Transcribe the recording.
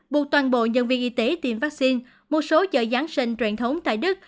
buộc toàn bộ nhân viên y tế tiêm vaccine một số chợ giáng sinh truyền thống tại đức